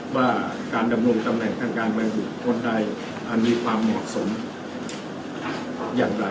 ว่าการดำรวมตำแหน่งทางการบริกคนใดมีความเหมาะสมอย่างไร